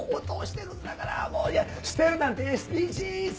もう捨てるなんてＳＤＧｓ！